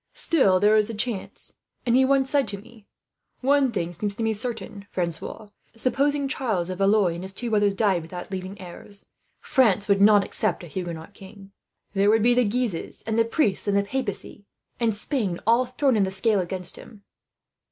Still there is the chance; and he once said to me: "'One thing seems to me to be certain, Francois: supposing Charles of Valois and his two brothers died without leaving heirs, France would not accept a Huguenot king. There would be the Guises, and the priests, and the papacy, and Spain all thrown in the scale against him.'